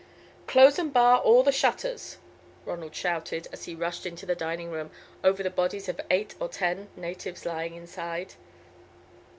"Close and bar all the shutters," Ronald shouted, as he rushed into the dining room, over the bodies of eight or ten natives lying inside.